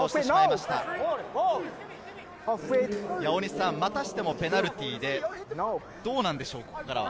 またしてもペナルティーで、どうなんでしょうか？